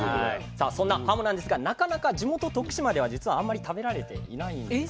さあそんなはもなんですがなかなか地元徳島では実はあんまり食べられていないんですよ。